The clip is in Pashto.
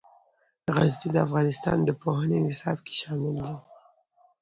غزني د افغانستان د پوهنې نصاب کې شامل دي.